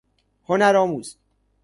هنر آموز